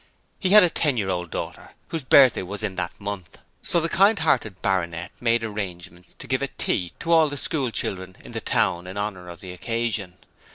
He had a ten year old daughter whose birthday was in that month, so the kind hearted Baronet made arrangements to give a Tea to all the school children in the town in honour of the occasion.